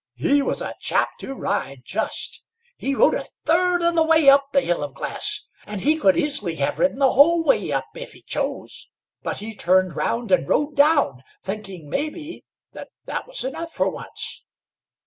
He was a chap to ride, just! He rode a third of the way up the Hill of Glass, and he could easily have ridden the whole way up, if he chose; but he turned round and rode down, thinking, maybe, that was enough for once."